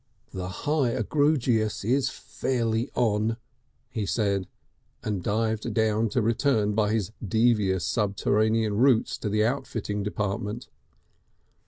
"The High Egrugious is fairly On," he said, and dived down to return by devious subterranean routes to the outfitting department.